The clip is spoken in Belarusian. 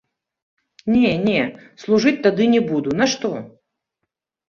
Не, не, служыць тады не буду, нашто?